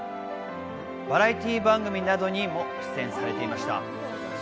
バラエティー番組などにも出演されていました。